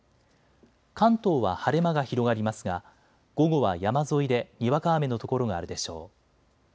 関東は晴れ間が広がりますが午後は山沿いでにわか雨の所があるでしょう。